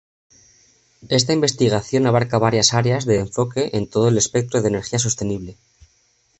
Esta investigación abarca varias áreas de enfoque en todo el espectro de energía sostenible.